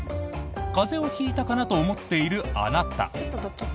風邪を引いたかな？と思っているあなた。